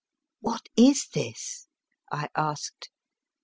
"What is this?" I asked.